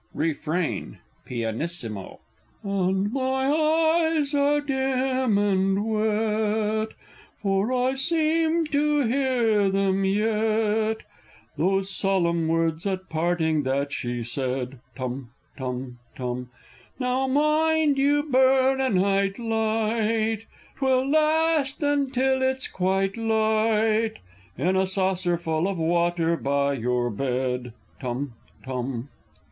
Refrain (pianissimo.) And my eyes are dim and wet; For I seem to hear them yet Those solemn words at parting that she said: (Tum tum tum!) "Now, mind you burn a night light, 'Twill last until it's quite light In a saucerful of water by your bed!" (Tum tum!)